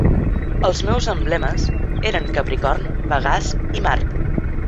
Els seus emblemes eren Capricorn, Pegàs i Mart.